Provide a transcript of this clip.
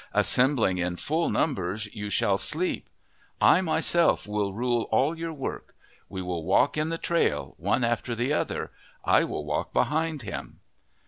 Assembling in full numbers, you shall sleep. I myself will rule all your work. We will walk in the trail, one after the other. I will walk behind him."